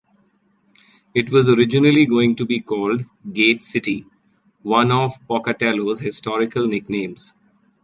It was originally going to be called "Gate City," one of Pocatello's historical nicknames.